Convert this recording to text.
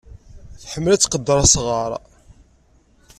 Tḥemmel ad tqedder asɣar.